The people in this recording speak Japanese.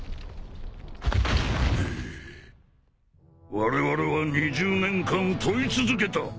われわれは２０年間問い続けた。